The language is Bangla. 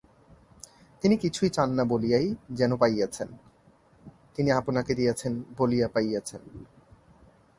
তিনি কিছুই চান না বলিয়াই যেন পাইয়াছেন–তিনি আপনাকে দিয়াছেন বলিয়া পাইয়াছেন।